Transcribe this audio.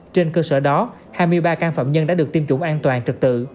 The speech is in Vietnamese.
trên cơ sở đó hai mươi ba can phạm nhân đã được tiêm chủng an toàn trực tự